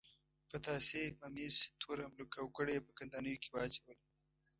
پتاسې، ممیز، تور املوک او ګوړه یې په کندانیو کې واچوله.